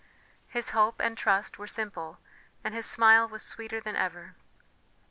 His hope and trust were simple, and his smile was sweeter than ever.